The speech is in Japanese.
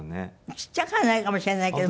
ちっちゃかないかもしれないけど。